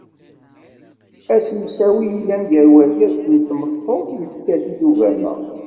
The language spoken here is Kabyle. Asemsawi i yellan gar urgaz n tmeṭṭut yefka-t-id ugama.